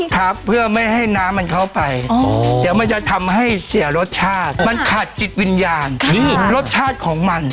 ครับเพื่อไม่ให้น้ำมันเข้าไปเดี๋ยวมันจะทำให้เสียรสชาติมันขาดจิตวิญญาณรสชาติของมัน